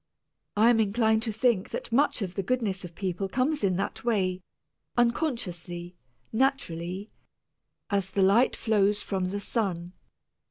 I am inclined to think that much of the goodness of people does come in that way, unconsciously, naturally, as the light flows from the sun.